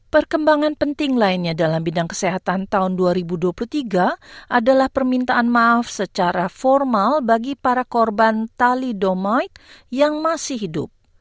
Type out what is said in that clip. perkembangan penting lainnya dalam bidang kesehatan tahun dua ribu dua puluh tiga adalah permintaan maaf secara formal bagi para korban thalidomide yang masih hidup